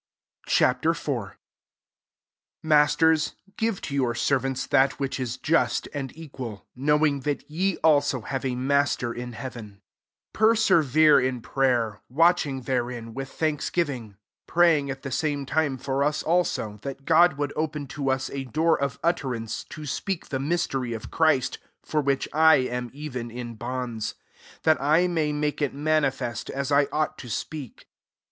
Ch. IV. 1 Masters, give to lour servants that which is ust and equal; knowing that re also have a Master in hea ven. 2 Persevere^ in prayer, matching therein, with thanks giving ; S pi*aying at tHe same ime for us also, that God fould open to us a door of ittentnce, to speak the mystery »f Christ, for which I am even n bonds ; 4 that I may make it nanifest, as I ought to speak.